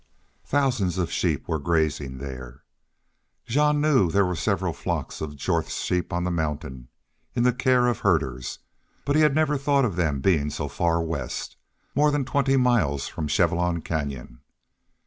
Thousands of sheep were grazing there. Jean knew there were several flocks of Jorth's sheep on the mountain in the care of herders, but he had never thought of them being so far west, more than twenty miles from Chevelon Canyon.